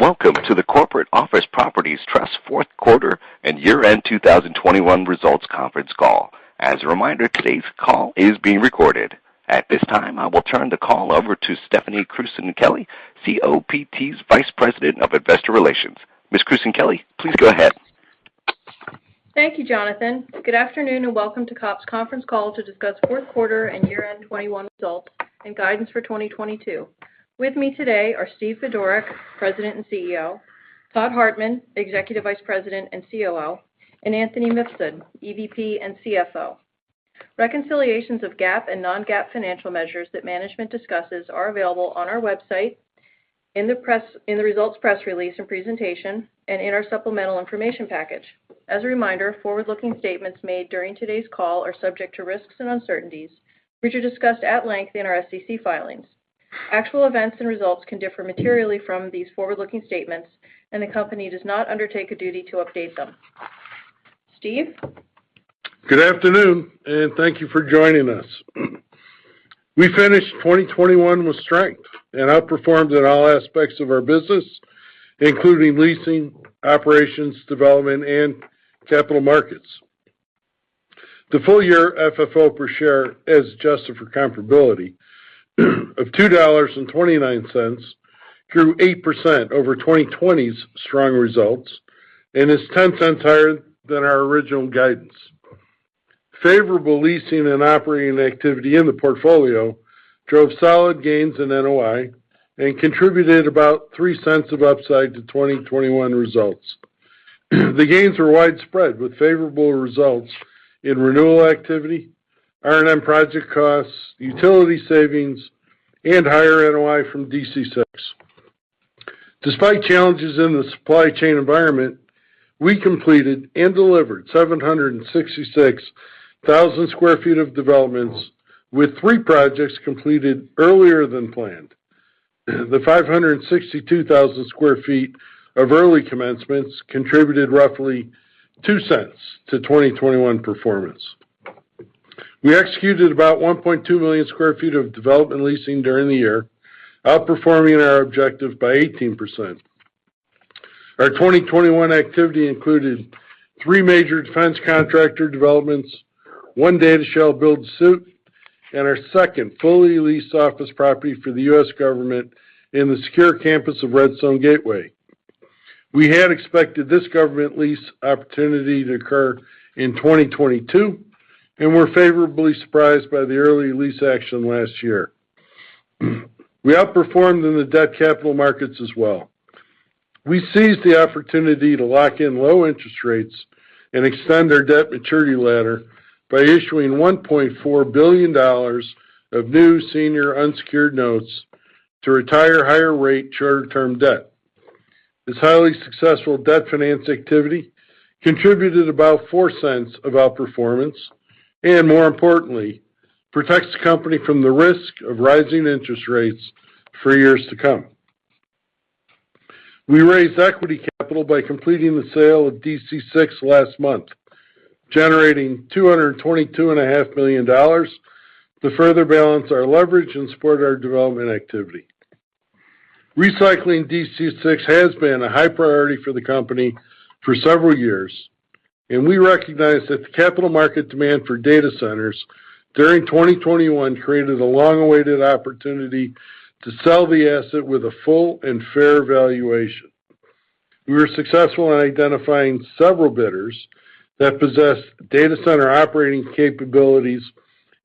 Welcome to the Corporate Office Properties Trust fourth quarter and year-end 2021 results conference call. As a reminder, today's call is being recorded. At this time, I will turn the call over to Stephanie Krewson-Kelly, COPT's Vice President of Investor Relations. Ms. Krewson-Kelly, please go ahead. Thank you, Jonathan. Good afternoon, and welcome to COPT's conference call to discuss fourth quarter and year-end 2021 results and guidance for 2022. With me today are Steve Budorick, President and CEO, Todd Hartman, Executive Vice President and COO, and Anthony Mifsud, EVP and CFO. Reconciliations of GAAP and non-GAAP financial measures that management discusses are available on our website in the results press release and presentation and in our supplemental information package. As a reminder, forward-looking statements made during today's call are subject to risks and uncertainties, which are discussed at length in our SEC filings. Actual events and results can differ materially from these forward-looking statements, and the company does not undertake a duty to update them. Steve? Good afternoon, and thank you for joining us. We finished 2021 with strength and outperformed in all aspects of our business, including leasing, operations, development, and capital markets. The full year FFO per share is adjusted for comparability of $2.29, 8% over 2020's strong results and is $0.10 higher than our original guidance. Favorable leasing and operating activity in the portfolio drove solid gains in NOI and contributed about $0.03 of upside to 2021 results. The gains were widespread with favorable results in renewal activity, R&M project costs, utility savings, and higher NOI from DC-6. Despite challenges in the supply chain environment, we completed and delivered 766,000 sq ft of developments with three projects completed earlier than planned. The 562,000 sq ft of early commencements contributed roughly $0.02 to 2021 performance. We executed about 1.2 million sq ft of development leasing during the year, outperforming our objective by 18%. Our 2021 activity included three major defense contractor developments, one data shell build-to-suit, and our second fully leased office property for the U.S. government in the secure campus of Redstone Gateway. We had expected this government lease opportunity to occur in 2022, and we're favorably surprised by the early lease action last year. We outperformed in the debt capital markets as well. We seized the opportunity to lock in low interest rates and extend our debt maturity ladder by issuing $1.4 billion of new senior unsecured notes to retire higher-rate, shorter-term debt. This highly successful debt finance activity contributed about $0.04 of outperformance and, more importantly, protects the company from the risk of rising interest rates for years to come. We raised equity capital by completing the sale of DC-6 last month, generating $222.5 million to further balance our leverage and support our development activity. Recycling DC-6 has been a high priority for the company for several years, and we recognize that the capital market demand for data centers during 2021 created a long-awaited opportunity to sell the asset with a full and fair valuation. We were successful in identifying several bidders that possess data center operating capabilities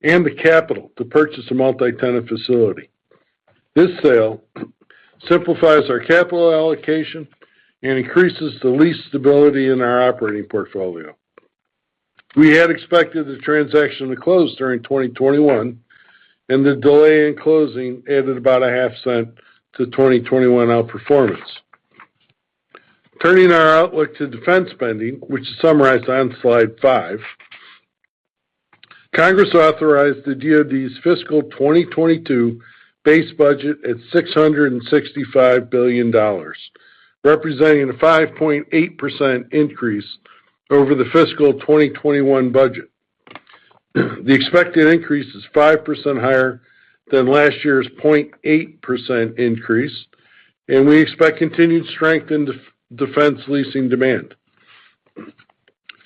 and the capital to purchase a multi-tenant facility. This sale simplifies our capital allocation and increases the lease stability in our operating portfolio. We had expected the transaction to close during 2021, and the delay in closing added about $0.005 to 2021 outperformance. Turning our outlook to defense spending, which is summarized on slide five. Congress authorized the DoD's fiscal 2022 base budget at $665 billion, representing a 5.8% increase over the fiscal 2021 budget. The expected increase is 5% higher than last year's 0.8% increase, and we expect continued strength in defense leasing demand.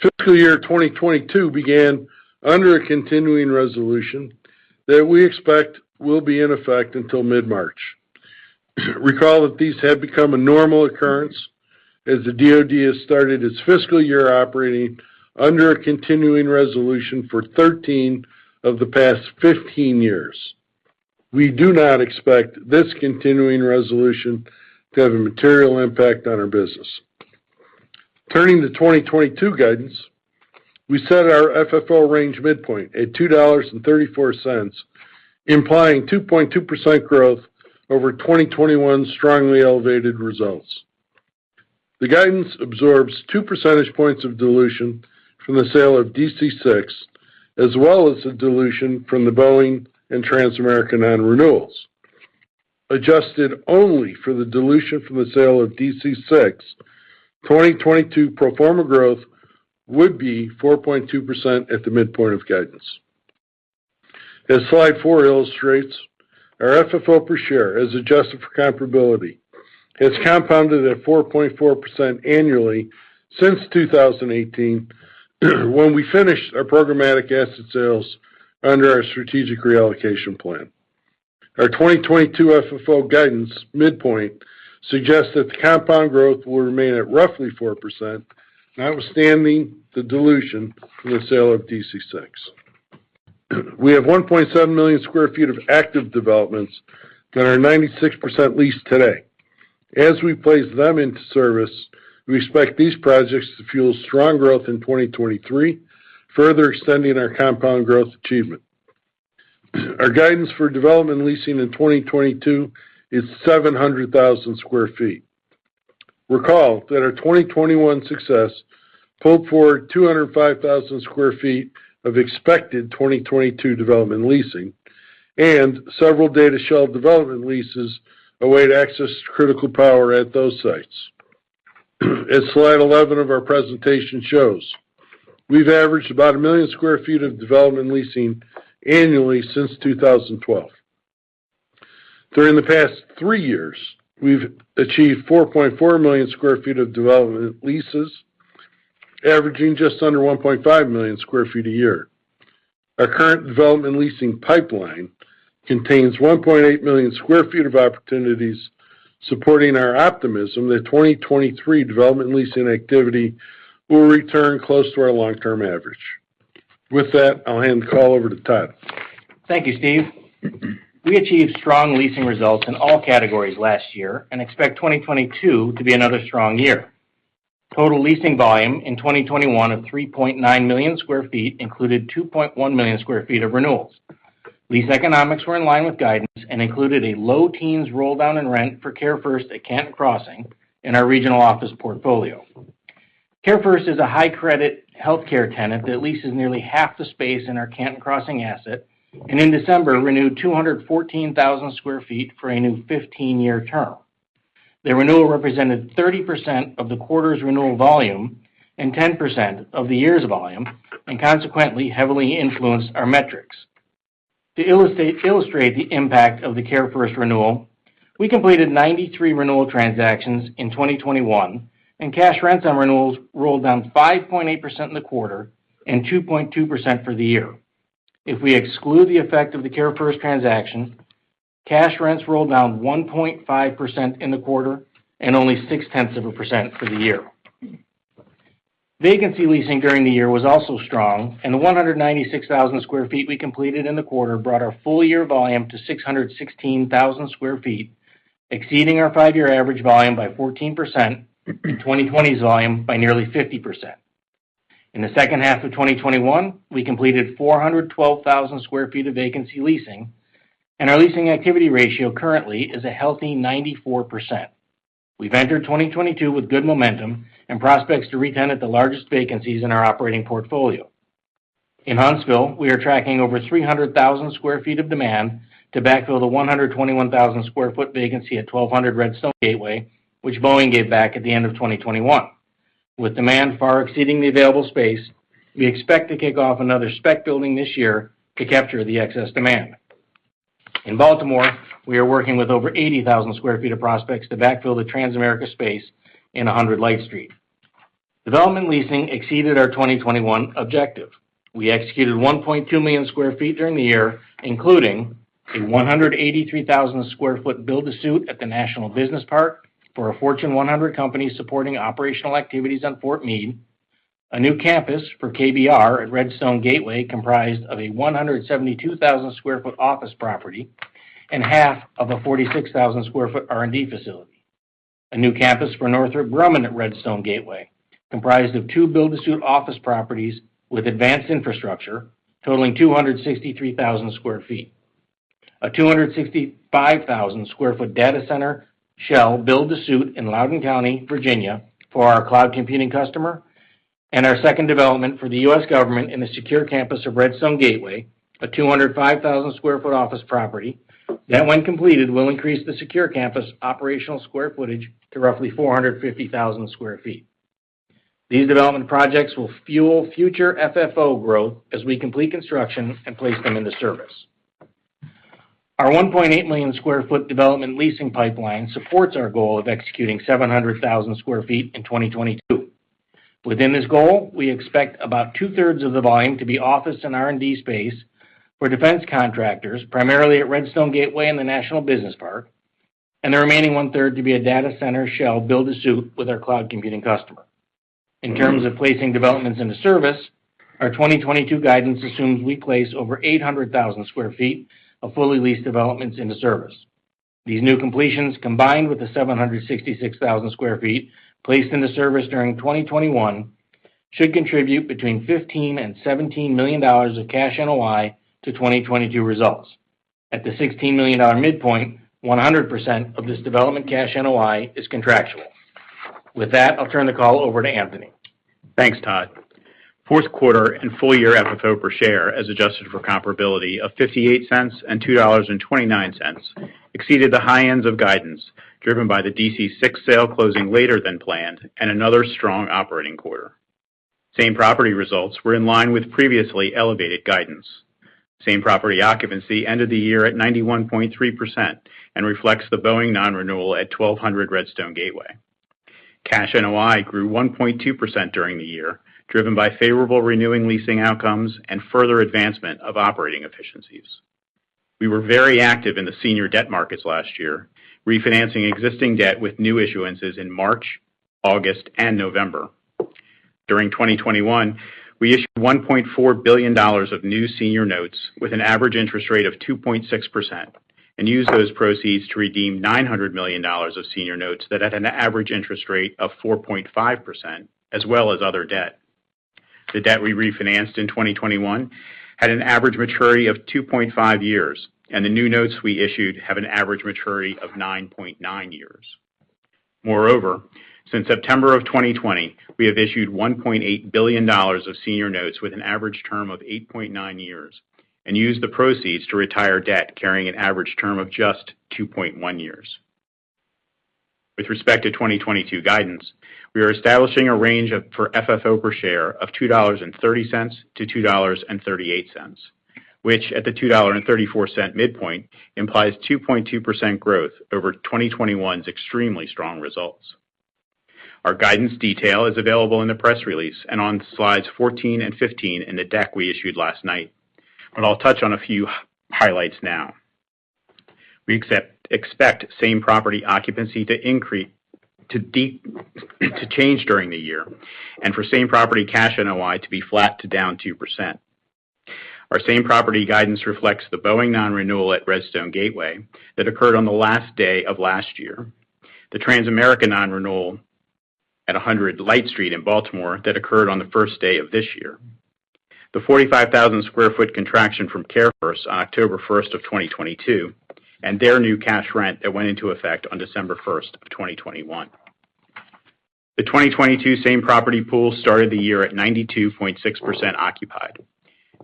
Fiscal year 2022 began under a continuing resolution that we expect will be in effect until mid-March. Recall that these have become a normal occurrence as the DoD has started its fiscal year operating under a continuing resolution for 13 of the past 15 years. We do not expect this continuing resolution to have a material impact on our business. Turning to 2022 guidance, we set our FFO range midpoint at $2.34, implying 2.2% growth over 2021's strongly elevated results. The guidance absorbs 2 percentage points of dilution from the sale of DC-6, as well as the dilution from the Boeing and Transamerica non-renewals. Adjusted only for the dilution from the sale of DC-6, 2022 pro forma growth would be 4.2% at the midpoint of guidance. As slide four illustrates, our FFO per share, as adjusted for comparability, has compounded at 4.4% annually since 2018, when we finished our programmatic asset sales under our strategic reallocation plan. Our 2022 FFO guidance midpoint suggests that the compound growth will remain at roughly 4%, notwithstanding the dilution from the sale of DC-6. We have 1.7 million sq ft of active developments that are 96% leased today. As we place them into service, we expect these projects to fuel strong growth in 2023, further extending our compound growth achievement. Our guidance for development leasing in 2022 is 700,000 sq ft. Recall that our 2021 success pulled forward 205,000 sq ft of expected 2022 development leasing and several data shell development leases await access to critical power at those sites. As slide 11 of our presentation shows, we've averaged about 1 million sq ft of development leasing annually since 2012. During the past three years, we've achieved 4.4 million sq ft of development leases, averaging just under 1.5 million sq ft a year. Our current development leasing pipeline contains 1.8 million sq ft of opportunities, supporting our optimism that 2023 development leasing activity will return close to our long-term average. With that, I'll hand the call over to Todd. Thank you, Steve. We achieved strong leasing results in all categories last year and expect 2022 to be another strong year. Total leasing volume in 2021 of 3.9 million sq ft included 2.1 million sq ft of renewals. Lease economics were in line with guidance and included a low-teens roll-down in rent for CareFirst at Canton Crossing in our Regional Office portfolio. CareFirst is a high-credit healthcare tenant that leases nearly half the space in our Canton Crossing asset, and in December, renewed 214,000 sq ft for a new 15-year term. The renewal represented 30% of the quarter's renewal volume and 10% of the year's volume, and consequently, heavily influenced our metrics. To illustrate the impact of the CareFirst renewal, we completed 93 renewal transactions in 2021, and cash rents on renewals rolled down 5.8% in the quarter and 2.2% for the year. If we exclude the effect of the CareFirst transaction, cash rents rolled down 1.5% in the quarter and only 0.6% for the year. Vacancy leasing during the year was also strong, and the 196,000 sq ft we completed in the quarter brought our full year volume to 616,000 sq ft, exceeding our 5-year average volume by 14%, and 2020's volume by nearly 50%. In the second half of 2021, we completed 412,000 sq ft of vacancy leasing, and our leasing activity ratio currently is a healthy 94%. We've entered 2022 with good momentum and prospects to retenant the largest vacancies in our operating portfolio. In Huntsville, we are tracking over 300,000 sq ft of demand to backfill the 121,000 sq ft vacancy at 1200 Redstone Gateway, which Boeing gave back at the end of 2021. With demand far exceeding the available space, we expect to kick off another spec building this year to capture the excess demand. In Baltimore, we are working with over 80,000 sq ft of prospects to backfill the Transamerica space in 100 Light Street. Development leasing exceeded our 2021 objective. We executed 1.2 million sq ft during the year, including a 183,000 sq ft build-to-suit at the National Business Park for a Fortune 100 company supporting operational activities on Fort Meade, a new campus for KBR at Redstone Gateway, comprised of a 172,000 sq ft office property and 1/2 of a 46,000 sq ft R&D facility. A new campus for Northrop Grumman at Redstone Gateway, comprised of two build-to-suit office properties with advanced infrastructure, totaling 263,000 sq ft. A 265,000 sq ft data center shell build-to-suit in Loudoun County, Virginia, for our cloud computing customer, and our second development for the U.S. government in the secure campus of Redstone Gateway, a 205,000 sq ft office property that, when completed, will increase the secure campus operational sq ftage to roughly 450,000 sq ft. These development projects will fuel future FFO growth as we complete construction and place them into service. Our 1.8 million sq ft development leasing pipeline supports our goal of executing 700,000 sq ft in 2022. Within this goal, we expect about 2/3 of the volume to be office and R&D space for defense contractors, primarily at Redstone Gateway and the National Business Park, and the remaining 1/3 to be a data center shell build-to-suit with our cloud computing customer. In terms of placing developments into service, our 2022 guidance assumes we place over 800,000 sq ft of fully leased developments into service. These new completions, combined with the 766,000 sq ft placed into service during 2021, should contribute between $15 million and $17 million of cash NOI to 2022 results. At the $16 million midpoint, 100% of this development cash NOI is contractual. With that, I'll turn the call over to Anthony. Thanks, Todd. Fourth quarter and full-year FFO per share, as adjusted for comparability, of $0.58 and $2.29 exceeded the high ends of guidance, driven by the DC-6 sale closing later than planned and another strong operating quarter. Same property results were in line with previously elevated guidance. Same-property occupancy ended the year at 91.3% and reflects the Boeing non-renewal at 1200 Redstone Gateway. Cash NOI grew 1.2% during the year, driven by favorable renewing leasing outcomes and further advancement of operating efficiencies. We were very active in the senior debt markets last year, refinancing existing debt with new issuances in March, August, and November. During 2021, we issued $1.4 billion of new senior notes with an average interest rate of 2.6% and used those proceeds to redeem $900 million of senior notes that had an average interest rate of 4.5%, as well as other debt. The debt we refinanced in 2021 had an average maturity of 2.5 years, and the new notes we issued have an average maturity of 9.9 years. Moreover, since September 2020, we have issued $1.8 billion of senior notes with an average term of 8.9 years and used the proceeds to retire debt carrying an average term of just 2.1 years. With respect to 2022 guidance, we are establishing a range for FFO per share of $2.30-$2.38, which at the $2.34 midpoint implies 2.2% growth over 2021's extremely strong results. Our guidance detail is available in the press release and on slides 14 and 15 in the deck we issued last night. I'll touch on a few highlights now. We expect same property occupancy to change during the year, and for same property cash NOI to be flat to down 2%. Our same-property guidance reflects the Boeing non-renewal at Redstone Gateway that occurred on the last day of last year, the Transamerica non-renewal at 100 Light Street in Baltimore that occurred on the first day of this year, the 45,000 sq ft contraction from CareFirst on October 1, 2022, and their new cash rent that went into effect on December 1, 2021. The 2022 same-property pool started the year at 92.6% occupied.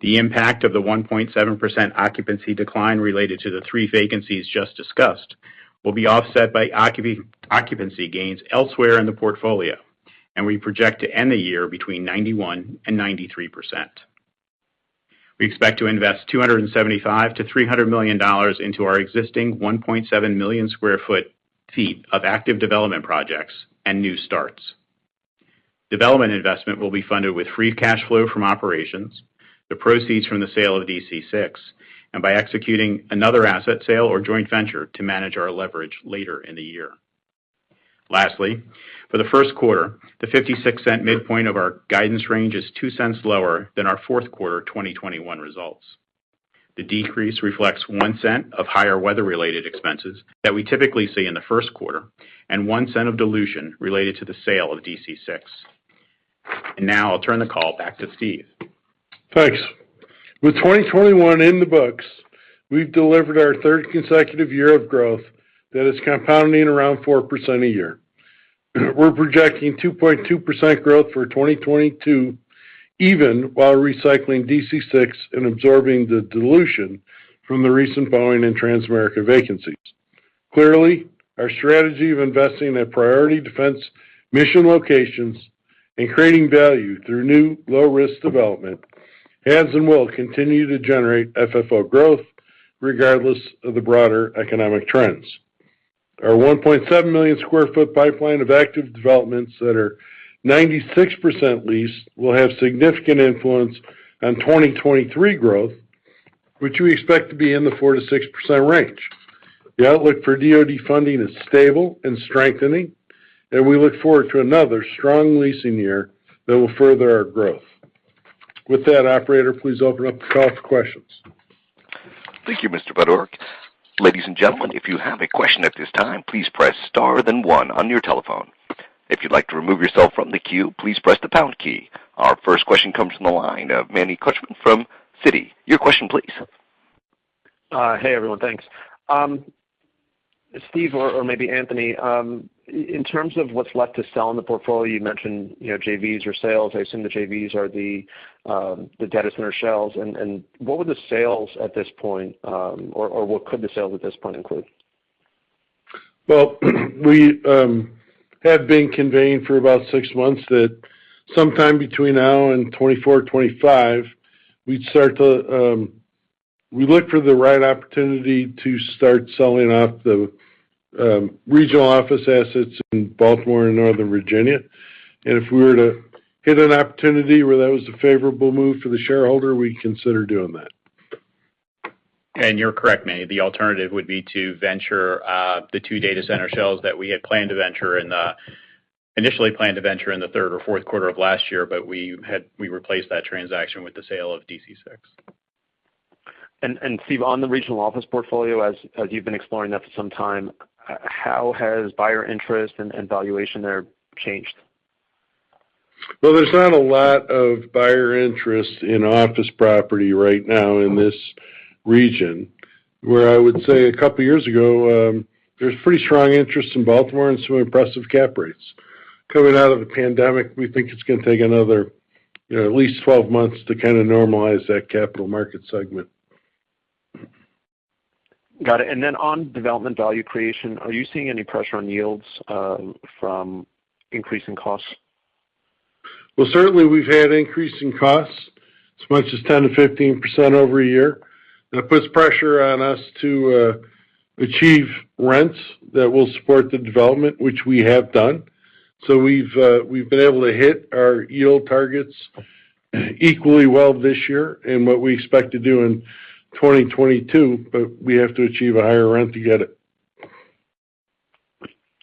The impact of the 1.7% occupancy decline related to the three vacancies just discussed will be offset by occupancy gains elsewhere in the portfolio, and we project to end the year between 91% and 93%. We expect to invest $275 million-$300 million into our existing 1.7 million sq ft of active development projects and new starts. Development investment will be funded with free cash flow from operations, the proceeds from the sale of DC-6, and by executing another asset sale or joint venture to manage our leverage later in the year. Lastly, for the first quarter, the $0.56 midpoint of our guidance range is $0.02 lower than our fourth quarter 2021 results. The decrease reflects $0.01 of higher weather-related expenses that we typically see in the first quarter and $0.01 of dilution related to the sale of DC-6. Now I'll turn the call back to Steve. Thanks. With 2021 in the books, we've delivered our third consecutive year of growth that is compounding around 4% a year. We're projecting 2.2% growth for 2022, even while recycling DC-6 and absorbing the dilution from the recent Boeing and Transamerica vacancies. Clearly, our strategy of investing in a priority defense mission locations and creating value through new low risk development has and will continue to generate FFO growth regardless of the broader economic trends. Our 1.7 million sq ft pipeline of active developments that are 96% leased will have significant influence on 2023 growth, which we expect to be in the 4%-6% range. The outlook for DoD funding is stable and strengthening, and we look forward to another strong leasing year that will further our growth. With that, operator, please open up the call for questions. Thank you, Mr. Budorick. Ladies and gentlemen, if you have a question at this time, please press star then one on your telephone. If you'd like to remove yourself from the queue, please press the pound key. Our first question comes from the line of Manny Korchman from Citi. Your question please. Hey, everyone. Thanks. Steve or maybe Anthony, in terms of what's left to sell in the portfolio, you mentioned, you know, JVs or sales. I assume the JVs are the data center shells. What would the sales at this point or what could the sales at this point include? Well, we have been conveying for about six months that sometime between now and 2024, 2025, we'd start to look for the right opportunity to start selling off the Regional Office assets in Baltimore and Northern Virginia. If we were to hit an opportunity where that was a favorable move for the shareholder, we'd consider doing that. You're correct, Manny. The alternative would be to venture the two data center shells that we had initially planned to venture in the third or fourth quarter of last year, but we replaced that transaction with the sale of DC-6. Steve, on the Regional Office portfolio, as you've been exploring that for some time, how has buyer interest and valuation there changed? Well, there's not a lot of buyer interest in office property right now in this region. Where I would say a couple of years ago, there was pretty strong interest in Baltimore and some impressive cap rates. Coming out of the pandemic, we think it's gonna take another at least 12 months to kind of normalize that capital market segment. Got it. On development value creation, are you seeing any pressure on yields from increasing costs? Well, certainly we've had increasing costs as much as 10%-15% over a year. That puts pressure on us to achieve rents that will support the development which we have done. We've been able to hit our yield targets equally well this year and what we expect to do in 2022, but we have to achieve a higher rent to get it.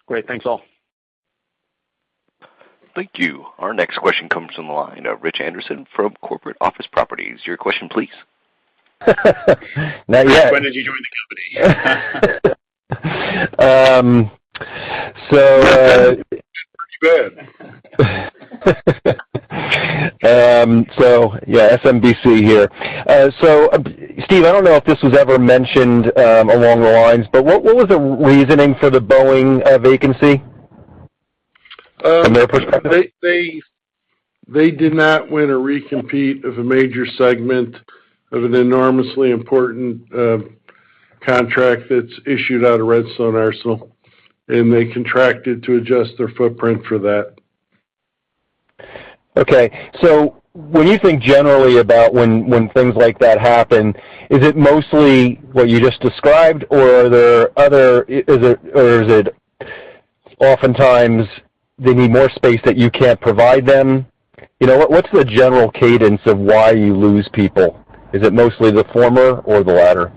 Great. Thanks all. Thank you. Our next question comes from the line of Rich Anderson from Corporate Office Properties. Your question, please. Not yet. When did you join the company? Yeah, SMBC here. Steve, I don't know if this was ever mentioned along the lines, but what was the reasoning for the Boeing vacancy from their perspective? They did not win a recompete of a major segment of an enormously important contract that's issued out of Redstone Arsenal, and they contracted to adjust their footprint for that. Okay. When you think generally about when things like that happen, is it mostly what you just described or are there other? Or is it oftentimes they need more space that you can't provide them? You know, what's the general cadence of why you lose people? Is it mostly the former or the latter?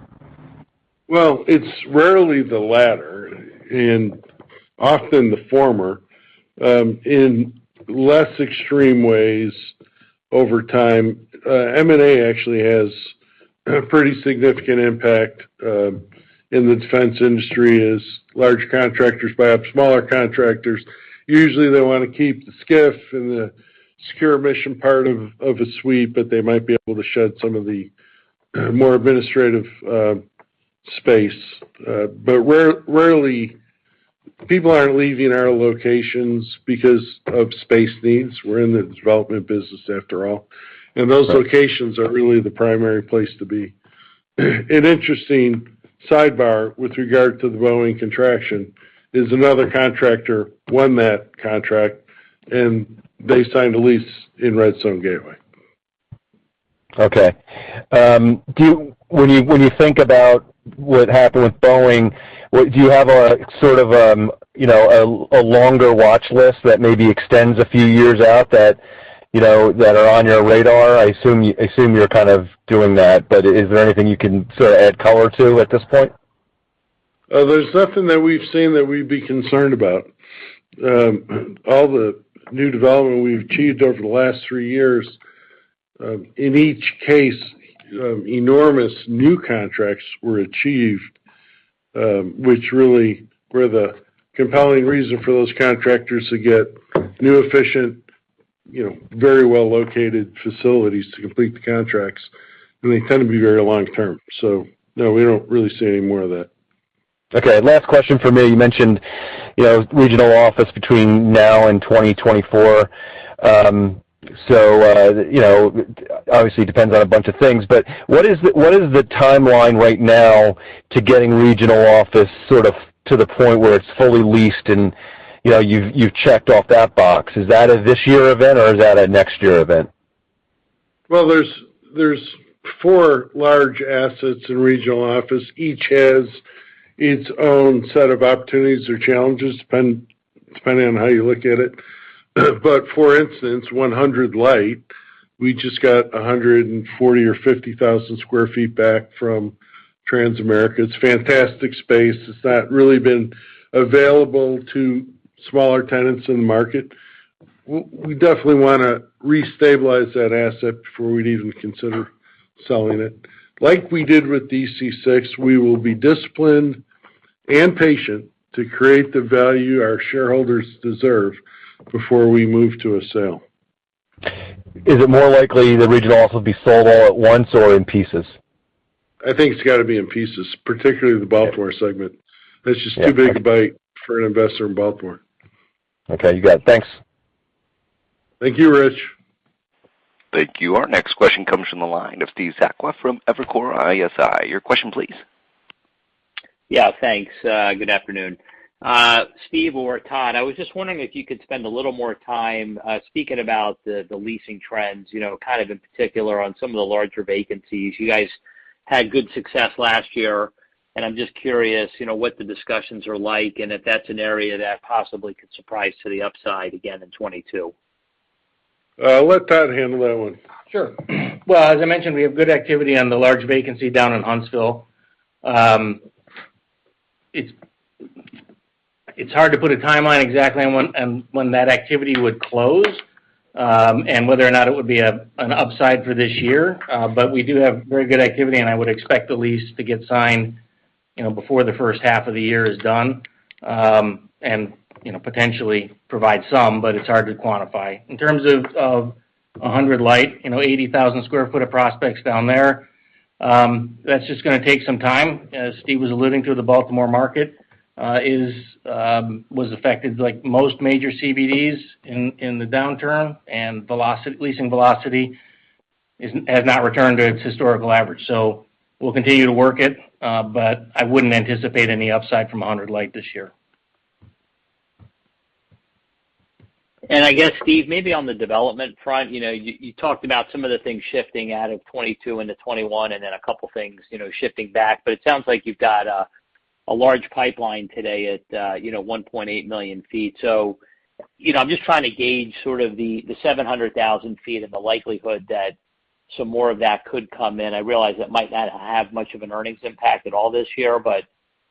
Well, it's rarely the latter, and often the former, in less extreme ways over time. M&A actually has a pretty significant impact in the defense industry as large contractors buy up smaller contractors. Usually, they wanna keep the SCIF and the secure mission part of a suite, but they might be able to shed some of the more administrative space. But rarely, people aren't leaving our locations because of space needs. We're in the development business after all. Those locations are really the primary place to be. An interesting sidebar with regard to the Boeing contraction is another contractor won that contract, and they signed a lease in Redstone Gateway. Okay. When you think about what happened with Boeing, do you have a sort of, you know, a longer watch list that maybe extends a few years out that you know that are on your radar? I assume you're kind of doing that. Is there anything you can sort of add color to at this point? There's nothing that we've seen that we'd be concerned about. All the new development we've achieved over the last three years, in each case, enormous new contracts were achieved, which really were the compelling reason for those contractors to get new efficient, you know, very well-located facilities to complete the contracts, and they tend to be very long-term. No, we don't really see any more of that. Okay. Last question for me. You mentioned, you know, Regional Office between now and 2024. You know, obviously depends on a bunch of things, but what is the timeline right now to getting Regional Office sort of to the point where it's fully leased and, you know, you've checked off that box? Is that a this year event or is that a next-year event? Well, there's four large assets in Regional Office. Each has its own set of opportunities or challenges, depending on how you look at it. For instance, 100 Light, we just got 140,000 sq ft or 150,000 sq ft back from Transamerica. It's fantastic space. It's not really been available to smaller tenants in the market. We definitely wanna restabilize that asset before we'd even consider selling it. Like we did with DC-6, we will be disciplined and patient to create the value our shareholders deserve before we move to a sale. Is it more likely the Regional Office will be sold all at once or in pieces? I think it's gotta be in pieces, particularly the Baltimore segment. That's just too big a bite for an investor in Baltimore. Okay. You got it. Thanks. Thank you, Rich. Thank you. Our next question comes from the line of Steve Sakwa from Evercore ISI. Your question, please. Yeah, thanks. Good afternoon. Steve or Todd, I was just wondering if you could spend a little more time speaking about the leasing trends, you know, kind of in particular on some of the larger vacancies. You guys had good success last year, and I'm just curious, you know, what the discussions are like and if that's an area that possibly could surprise to the upside again in 2022. Let Todd handle that one. Sure. Well, as I mentioned, we have good activity on the large vacancy down in Huntsville. It's hard to put a timeline exactly on when that activity would close and whether or not it would be an upside for this year. We do have very good activity, and I would expect the lease to get signed, you know, before the first half of the year is done, and, you know, potentially provide some, but it's hard to quantify. In terms of 100 Light, you know, 80,000 sq ft of prospects down there, that's just gonna take some time. As Steve was alluding to, the Baltimore market was affected like most major CBDs in the downturn and leasing velocity has not returned to its historical average. We'll continue to work it, but I wouldn't anticipate any upside from 100 Light this year. I guess, Steve, maybe on the development front, you know, you talked about some of the things shifting out of 2022 into 2021 and then a couple things, you know, shifting back. It sounds like you've got a large pipeline today at, you know, 1.8 million sq ft. I'm just trying to gauge sort of the 700,000 sq ft and the likelihood that some more of that could come in. I realize it might not have much of an earnings impact at all this year, but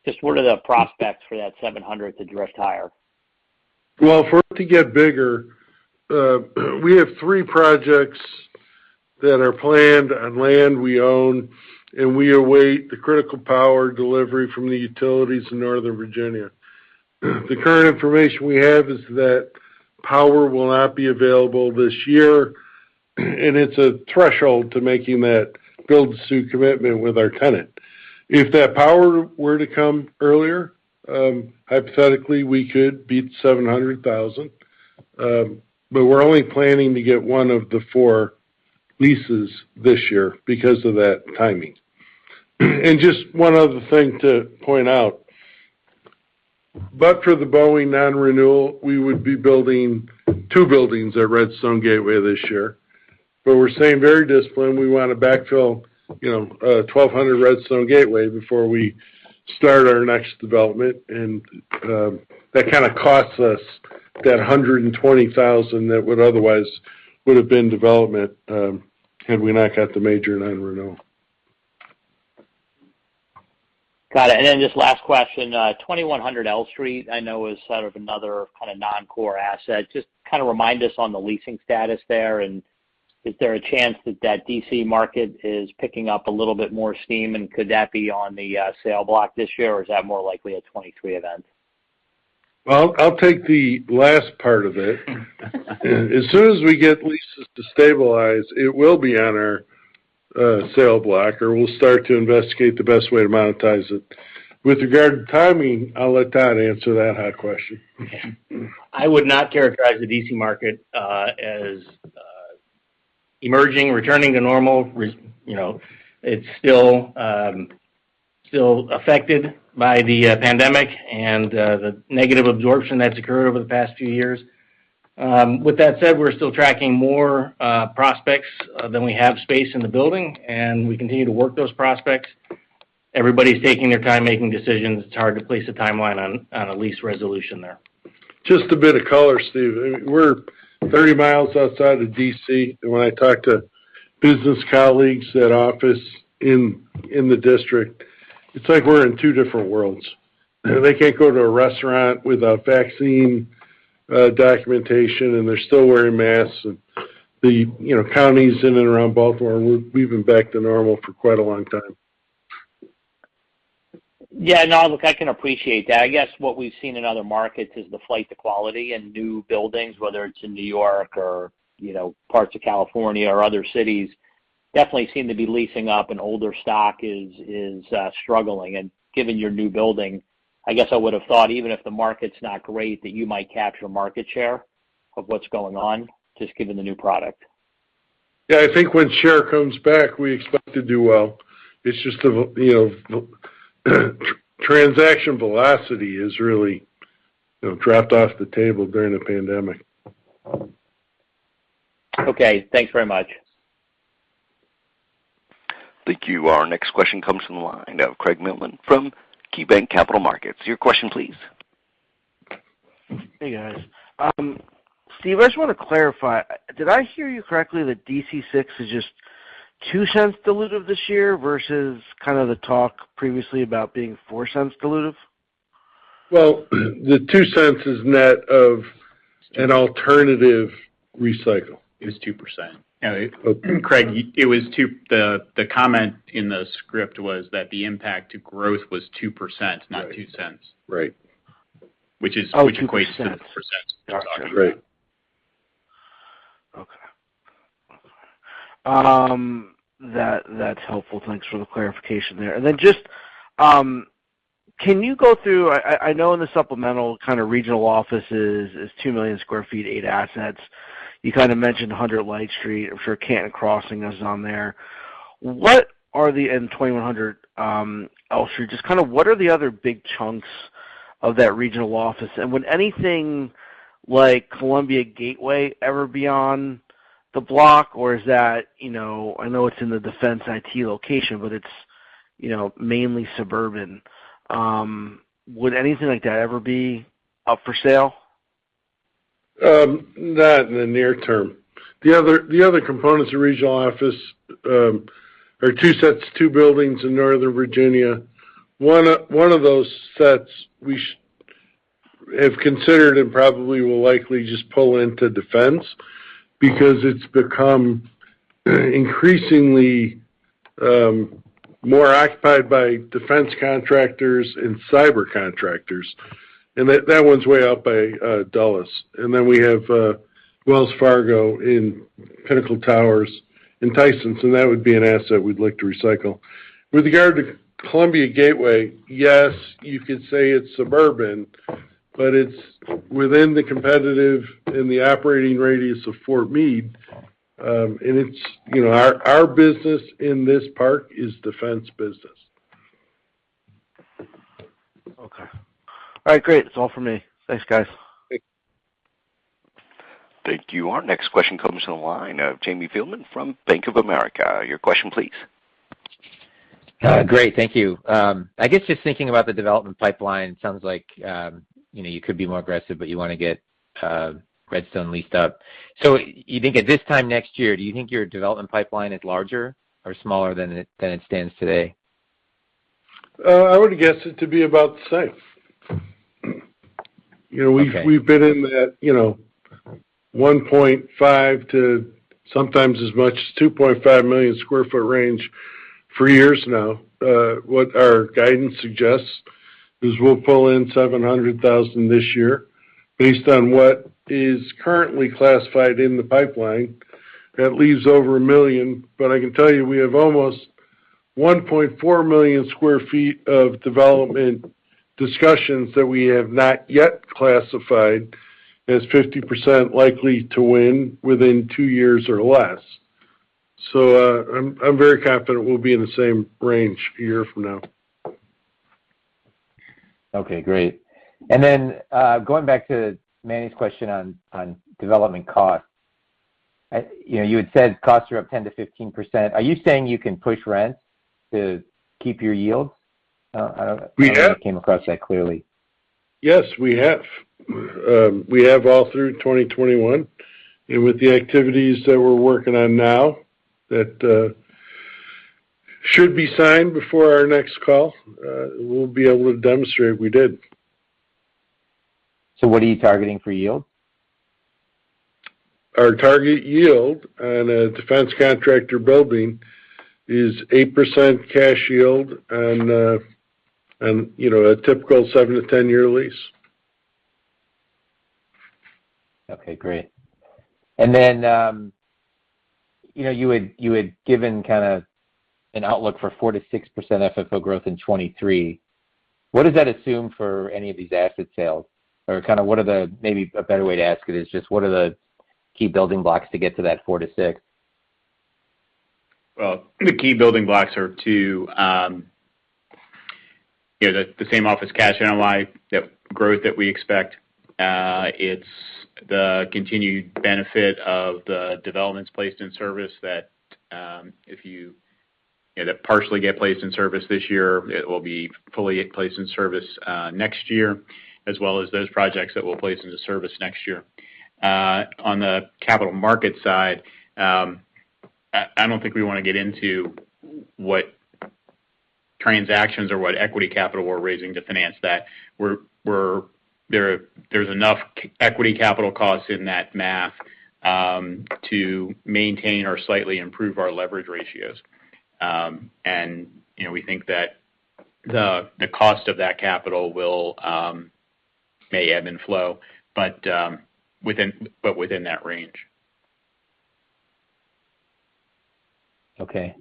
just what are the prospects for that 700,000 sq ft to drift higher? Well, for it to get bigger, we have three projects that are planned on land we own, and we await the critical power delivery from the utilities in Northern Virginia. The current information we have is that power will not be available this year, and it's a threshold to making that build to suit commitment with our tenant. If that power were to come earlier, hypothetically, we could beat 700,000 sq ft. But we're only planning to get one of the four leases this year because of that timing. Just one other thing to point out. For the Boeing non-renewal, we would be building two buildings at Redstone Gateway this year. We're staying very disciplined. We want to backfill, you know, 1200 Redstone Gateway before we start our next development. That kind of costs us $120,000 that would otherwise have been development had we not got the major non-renewal. Got it. Then just last question, 2100 L Street, I know is sort of another kind of non-core asset. Just kind of remind us on the leasing status there, and is there a chance that that D.C. market is picking up a little bit more steam, and could that be on the sale block this year, or is that more likely a 2023 event? Well, I'll take the last part of it. As soon as we get leases to stabilize, it will be on our sale block, or we'll start to investigate the best way to monetize it. With regard to timing, I'll let Todd answer that hot question. I would not characterize the D.C. market as emerging, returning to normal. You know, it's still affected by the pandemic and the negative absorption that's occurred over the past few years. With that said, we're still tracking more prospects than we have space in the building, and we continue to work those prospects. Everybody's taking their time making decisions. It's hard to place a timeline on a lease resolution there. Just a bit of color, Steve. I mean, we're 30 mi outside of D.C., and when I talk to business colleagues that office in the district, it's like we're in two different worlds. They can't go to a restaurant without vaccine documentation, and they're still wearing masks. You know, the counties in and around Baltimore, we've been back to normal for quite a long time. Yeah. No, look, I can appreciate that. I guess what we've seen in other markets is the flight to quality and new buildings, whether it's in New York or, you know, parts of California or other cities, definitely seem to be leasing up and older stock is struggling. Given your new building, I guess I would have thought even if the market's not great, that you might capture market share of what's going on, just given the new product. Yeah. I think when share comes back, we expect to do well. It's just the, you know, the transaction velocity is really, you know, dropped off the table during the pandemic. Okay. Thanks very much. Thank you. Our next question comes from the line of Craig Mailman from KeyBanc Capital Markets. Your question, please. Hey, guys. Steve, I just wanna clarify. Did I hear you correctly that DC-6 is just $0.02 dilutive this year versus kind of the talk previously about being $0.04 dilutive? Well, the $0.02 is net of an alternative recycle. It was 2%. Okay. Craig, the comment in the script was that the impact to growth was 2%, not $0.02. Right. Which is— Oh, 2%. Which equates to 2%. Gotcha. Great. Okay. That's helpful. Thanks for the clarification there. Then just can you go through I know in the supplemental kind of Regional Offices is 2 million sq ft, eight assets. You kind of mentioned 100 Light Street. I'm sure Canton Crossing is on there. What are the—in 2100 L Street, just kind of what are the other big chunks of that Regional Office? Would anything like Columbia Gateway ever be on the block, or is that you know I know it's in the Defense/IT location, but it's you know mainly suburban. Would anything like that ever be up for sale? Not in the near term. The other components of Regional Office are two sets, two buildings in Northern Virginia. One of those sets we have considered and probably will likely just pull into defense because it's become increasingly more occupied by defense contractors and cyber contractors. That one's way out by Dulles. We have Wells Fargo in Pinnacle Towers in Tysons, and that would be an asset we'd like to recycle. With regard to Columbia Gateway, yes, you could say it's suburban. It's within the competitive and the operating radius of Fort Meade. Our business in this park is defense business. Okay. All right. Great. That's all for me. Thanks, guys. Thank you. Thank you. Our next question comes from the line of Jamie Feldman from Bank of America. Your question, please. Great. Thank you. I guess just thinking about the development pipeline, sounds like you know you could be more aggressive, but you wanna get Redstone leased up. You think at this time next year, do you think your development pipeline is larger or smaller than it stands today? I would guess it to be about the same. Okay. You know, we've been in that, you know, 1.5 milliong sq ft to sometimes as much as 2.5 million sq ft range for years now. What our guidance suggests is we'll pull in 700,000 sq ft this year based on what is currently classified in the pipeline. That leaves over a million. I can tell you, we have almost 1.4 million sq ft of development discussions that we have not yet classified as 50% likely to win within two years or less. I'm very confident we'll be in the same range a year from now. Okay, great. Going back to Manny's question on development costs. You know, you had said costs are up 10%-15%. Are you saying you can push rents to keep your yield? We have. I don't know if I came across that clearly. Yes, we have. We have all through 2021. With the activities that we're working on now, that should be signed before our next call, we'll be able to demonstrate we did. What are you targeting for yield? Our target yield on a defense contractor building is 8% cash yield on, you know, a typical seven- to 10-year lease. Okay, great. You know, you had given kinda an outlook for 4%-6% FFO growth in 2023. What does that assume for any of these asset sales? Maybe a better way to ask it is just what are the key building blocks to get to that 4%-6%? Well, the key building blocks are to you know the same office cash NOI growth that we expect. It's the continued benefit of the developments placed in service that it'll partially get placed in service this year. It will be fully placed in service next year, as well as those projects that we'll place into service next year. On the capital market side, I don't think we wanna get into what transactions or what equity capital we're raising to finance that. There, there's enough equity capital costs in that math to maintain or slightly improve our leverage ratios. You know, we think that the cost of that capital will may ebb and flow, but within that range. Okay.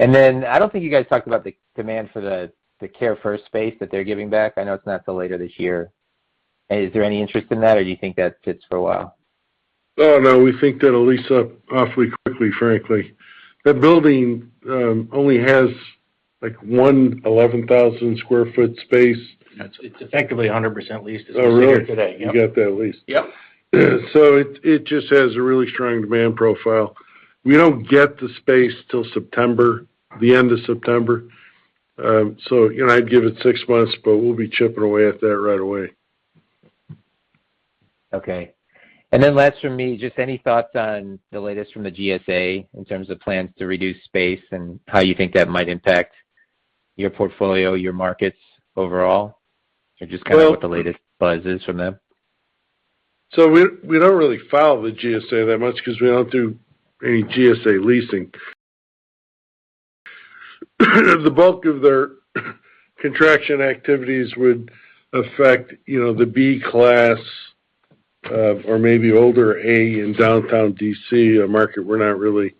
I don't think you guys talked about the demand for the CareFirst space that they're giving back. I know it's not till later this year. Is there any interest in that, or do you think that sits for a while? Oh, no, we think that'll lease up awfully quickly, frankly. That building only has, like, 111,000 sq ft space. It's effectively 100% leased as of— Oh, really? You got that leased. Yep. It just has a really strong demand profile. We don't get the space till September, the end of September. You know, I'd give it six months, but we'll be chipping away at that right away. Okay. Last from me, just any thoughts on the latest from the GSA in terms of plans to reduce space and how you think that might impact your portfolio, your markets overall, or just kind of what the latest buzz is from them. We don't really follow the GSA that much because we don't do any GSA leasing. The bulk of their contraction activities would affect the B class or maybe older A in Downtown D.C., a market we're not really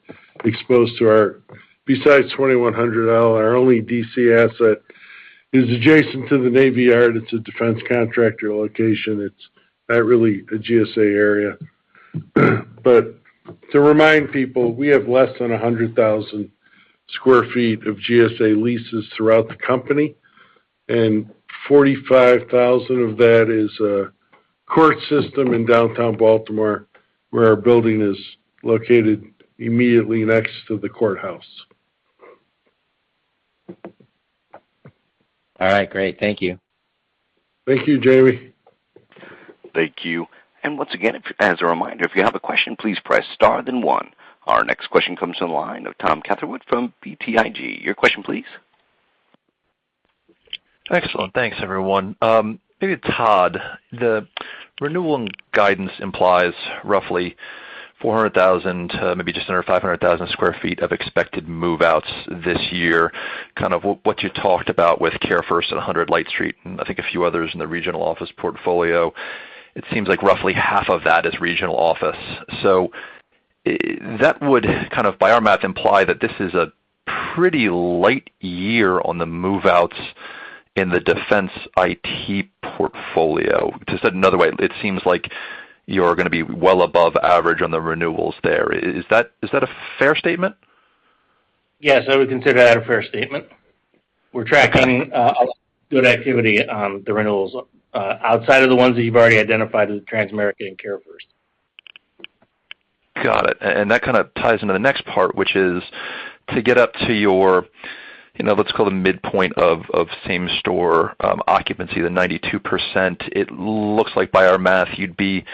exposed to. Besides 2100 L, our only D.C. asset is adjacent to the Navy Yard. It's a defense contractor location. It's not really a GSA area. To remind people, we have less than 100,000 sq ft of GSA leases throughout the company, and 45,000 sq ft of that is a court system in downtown Baltimore, where our building is located immediately next to the courthouse. All right, great. Thank you. Thank you, Jamie. Thank you. Once again, as a reminder, if you have a question, please press star then one. Our next question comes from the line of Tom Catherwood from BTIG. Your question, please. Excellent. Thanks, everyone. Maybe Todd, the renewal and guidance implies roughly 400,000 sq ft, maybe just under 500,000 sq ft of expected move-outs this year, kind of what you talked about with CareFirst and 100 Light Street, and I think a few others in the Regional Office portfolio. It seems like roughly half of that is Regional Office. That would kind of, by our math, imply that this is a pretty light year on the move-outs in the Defense/IT portfolio. To say it another way, it seems like you're gonna be well above average on the renewals there. Is that a fair statement? Yes, I would consider that a fair statement. We're tracking a good activity on the renewals outside of the ones that you've already identified as Transamerica and CareFirst. Got it. That kind of ties into the next part, which is to get up to your, you know, let's call it midpoint of same-store occupancy, the 92%. It looks like by our math, you'd be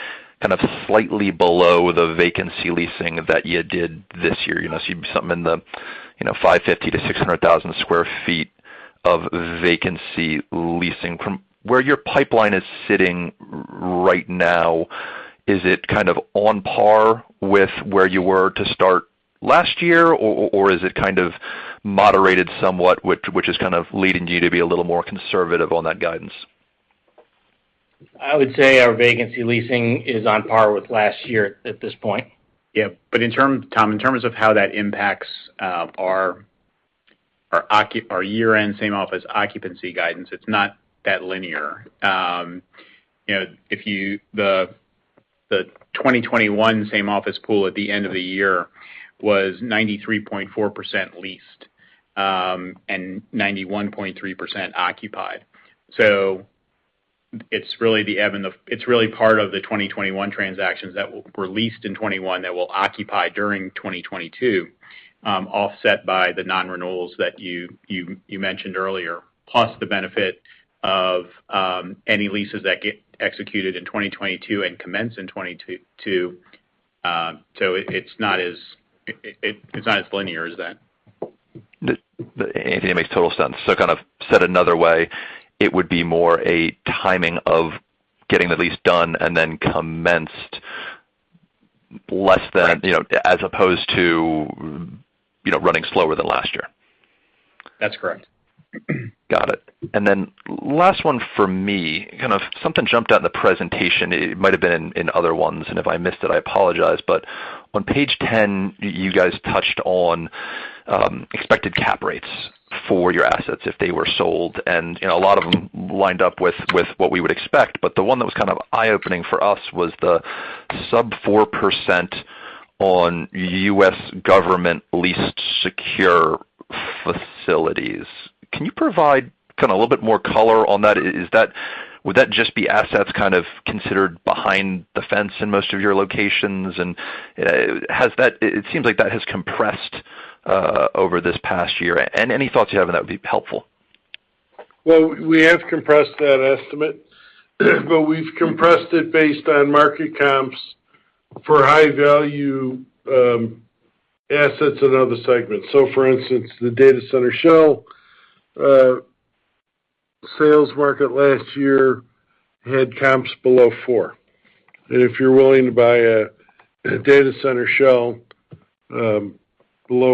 kind of slightly below the vacancy leasing that you did this year. You know, so you'd be something in the, you know, 550,00 sq ft-600,000 sq ft of vacancy leasing. From where your pipeline is sitting right now, is it kind of on par with where you were to start last year, or is it kind of moderated somewhat, which is kind of leading you to be a little more conservative on that guidance? I would say our vacancy leasing is on par with last year at this point. Yeah. In terms of how that impacts, Tom, our year-end same-office occupancy guidance, it's not that linear. You know, the 2021 same-office pool at the end of the year was 93.4% leased, and 91.3% occupied. It's really part of the 2021 transactions that were leased in 2021 that will occupy during 2022, offset by the non-renewals that you mentioned earlier, plus the benefit of any leases that get executed in 2022 and commence in 2022. It's not as linear as that. Anthony, it makes total sense. Kind of said another way, it would be more a timing of getting the lease done and then commenced less than, you know, as opposed to, you know, running slower than last year. That's correct. Got it. Then last one for me. Kind of something jumped out in the presentation. It might have been in other ones, and if I missed it, I apologize. On page 10, you guys touched on expected cap rates for your assets if they were sold, and you know, a lot of them lined up with what we would expect. The one that was kind of eye-opening for us was the sub-4% on U.S. government-leased secure facilities. Can you provide kind of a little bit more color on that? Is that? Would that just be assets kind of considered behind the fence in most of your locations? Has that. It seems like that has compressed over this past year. Any thoughts you have, that would be helpful. Well, we have compressed that estimate, but we've compressed it based on market comps for high-value assets in other segments. For instance, the data center shell sales market last year had comps below 4%. If you're willing to buy a data center shell below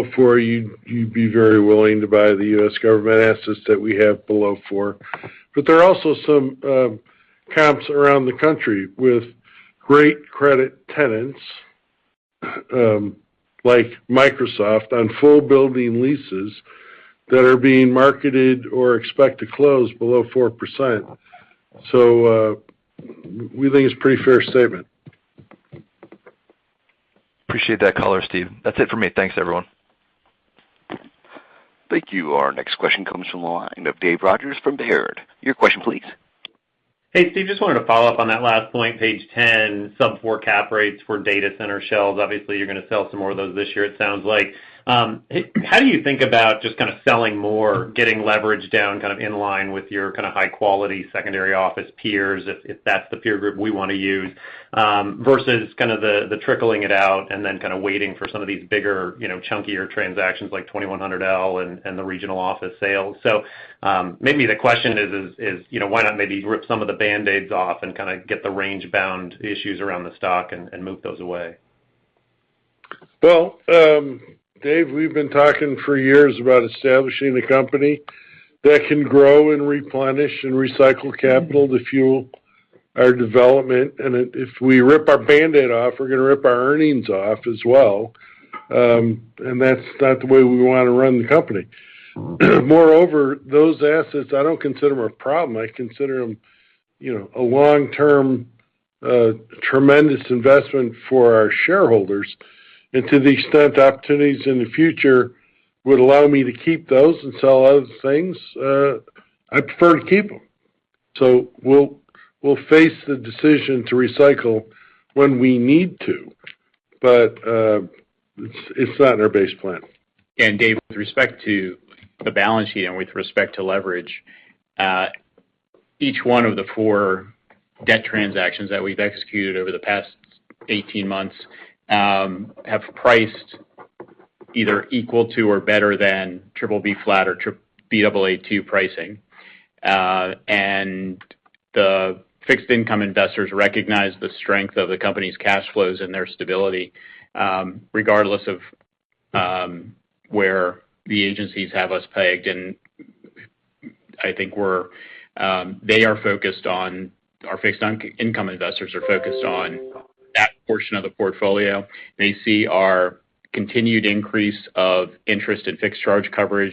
4%, you'd be very willing to buy the U.S. government assets that we have below 4%. There are also some comps around the country with great credit tenants like Microsoft on full building leases that are being marketed or expect to close below 4%. We think it's a pretty fair statement. Appreciate that color, Steve. That's it for me. Thanks, everyone. Thank you. Our next question comes from the line of Dave Rodgers from Baird. Your question, please. Hey, Steve. Just wanted to follow up on that last point, page 10, sub-4% cap rates for data center shells. Obviously, you're gonna sell some more of those this year, it sounds like. How do you think about just kind of selling more, getting leverage down kind of in line with your kind of high-quality secondary office peers, if that's the peer group we wanna use, versus kind of the trickling it out and then kind of waiting for some of these bigger, you know, chunkier transactions like 2100 L and the Regional Office sales. Maybe the question is, you know, why not maybe rip some of the Band-Aids off and kind of get the range-bound issues around the stock and move those away? Well, Dave, we've been talking for years about establishing a company that can grow and replenish and recycle capital to fuel our development. If we rip our Band-Aid off, we're gonna rip our earnings off as well. That's not the way we wanna run the company. Moreover, those assets, I don't consider them a problem. I consider them, you know, a long-term, tremendous investment for our shareholders. To the extent opportunities in the future would allow me to keep those and sell other things, I prefer to keep them. We'll face the decision to recycle when we need to, but it's not in our base plan. Dave, with respect to the balance sheet and with respect to leverage, each one of the four debt transactions that we've executed over the past 18 months have priced either equal to or better than BBB or Baa2 pricing. The fixed income investors recognize the strength of the company's cash flows and their stability, regardless of where the agencies have us pegged. Our fixed income investors are focused on that portion of the portfolio. They see our continued increase of interest in fixed charge coverage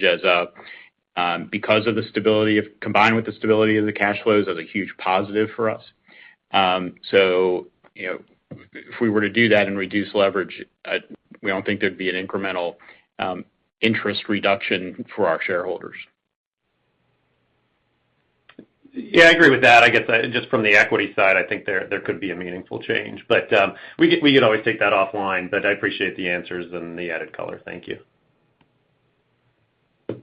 combined with the stability of the cash flows as a huge positive for us. You know, if we were to do that and reduce leverage, we don't think there'd be an incremental interest reduction for our shareholders. Yeah, I agree with that. I guess just from the equity side, I think there could be a meaningful change. We can always take that offline, but I appreciate the answers and the added color. Thank you. Thank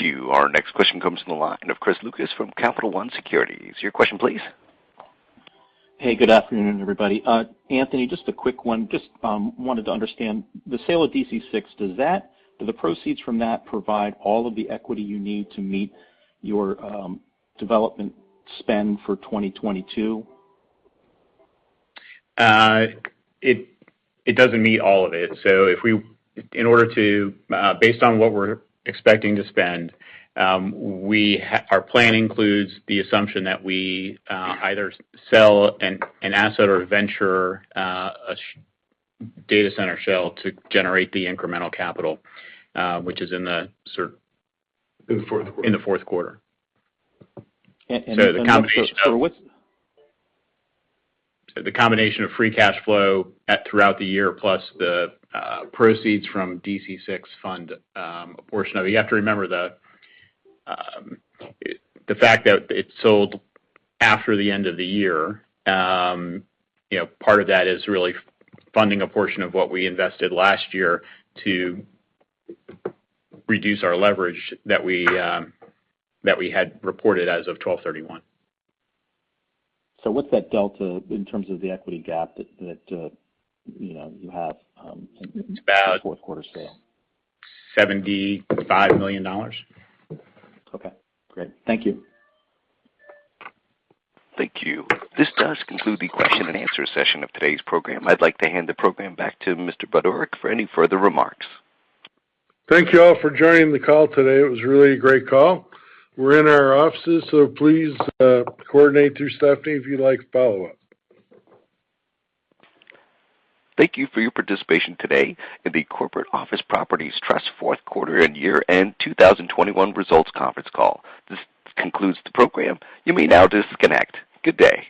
you. Our next question comes from the line of Chris Lucas from Capital One Securities. Your question please. Hey, good afternoon, everybody. Anthony, just a quick one. Just wanted to understand the sale of DC-6. Do the proceeds from that provide all of the equity you need to meet your development spend for 2022? It doesn't meet all of it. In order to, based on what we're expecting to spend, our plan includes the assumption that we either sell an asset or venture a data center shell to generate the incremental capital, which is in the sort of— In the fourth quarter. In the fourth quarter. The combination of free cash flow throughout the year plus the proceeds from DC-6 fund portion of it. You have to remember the fact that it's sold after the end of the year, you know, part of that is really funding a portion of what we invested last year to reduce our leverage that we had reported as of 12/31. What's that delta in terms of the equity gap that you know you have in the fourth quarter sale? $75 million. Okay, great. Thank you. Thank you. This does conclude the question and answer session of today's program. I'd like to hand the program back to Mr. Budorick for any further remarks. Thank you all for joining the call today. It was really a great call. We're in our offices, so please, coordinate through Stephanie if you'd like follow-up. Thank you for your participation today in the Corporate Office Properties Trust fourth quarter and year-end 2021 results conference call. This concludes the program. You may now disconnect. Good day.